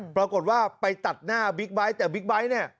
ปรากฏว่าไปตัดหน้าบิ๊กไบท์แต่บิ๊กไบท์เนี่ย